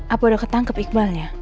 apa udah ketangkep iqbalnya